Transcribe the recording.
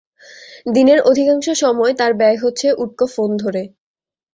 দিনের অধিকাংশ সময় তাঁর ব্যয় হচ্ছে উটকো ফোন ধরে।